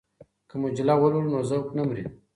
که مجله ولولو نو ذوق نه مري.